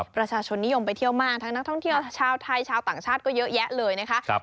ประชาชนนิยมไปเที่ยวมากทั้งนักท่องเที่ยวชาวไทยชาวต่างชาติก็เยอะแยะเลยนะคะ